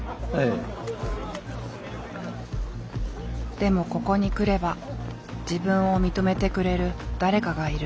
でもここに来れば自分を認めてくれる誰かがいる。